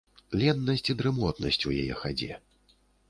Ленасць і дрымотнасць у яе хадзе.